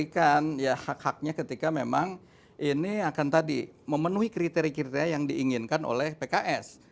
kita akan memberikan hak haknya ketika memang ini akan tadi memenuhi kriteri kriteri yang diinginkan oleh pks